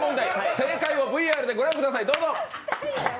正解をＶＡＲでご覧ください。